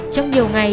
trong nhiều ngày